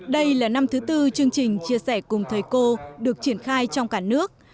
đây là năm thứ tư chương trình chia sẻ cùng thầy cô được triển khai trong cả nước